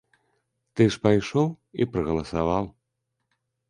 Ты ж пайшоў і прагаласаваў.